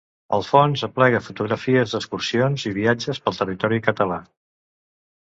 El fons aplega fotografies d'excursions i viatges pel territori català.